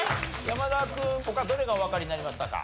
山田君他どれがおわかりになりましたか？